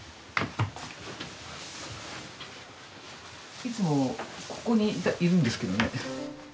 いつもここにいるんですけどね。